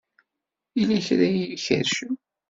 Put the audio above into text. Yella kra ay iyi-ikerrcen.